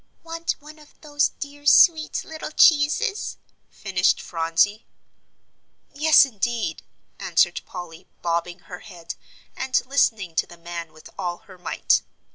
" want one of those dear sweet little cheeses?" finished Phronsie. "Yes, indeed," answered Polly, bobbing her head, and listening to the man with all her might.